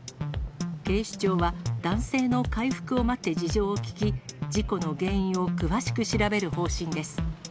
警視庁は、男性の回復を待って事情を聴き、事故の原因を詳しく調べる方針です。